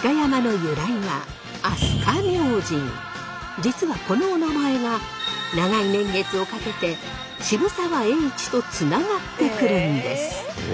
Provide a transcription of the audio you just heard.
飛鳥山の由来は実はこのおなまえが長い年月をかけて渋沢栄一とつながってくるんです。